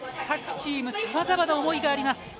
各チームさまざまな思いがあります。